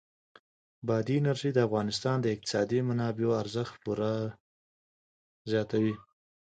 بادي انرژي د افغانستان د اقتصادي منابعو ارزښت پوره زیاتوي.